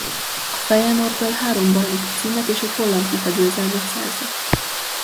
A Feyenoorddal három bajnoki címet és egy holland kupa győzelmet szerzett.